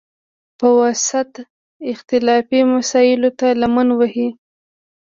په واسطه، اختلافي مسایلوته لمن ووهي،